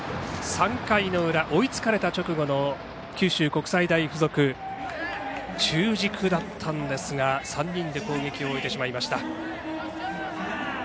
３回裏、追いつかれた直後の九州国際大付属中軸だったんですが３人で攻撃を終えてしまいました。